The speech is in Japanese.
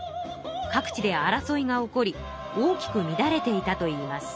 各地で争いが起こり大きく乱れていたといいます。